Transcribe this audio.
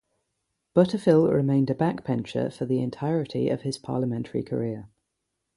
Butterfill remained a backbencher for the entirety of his parliamentary career.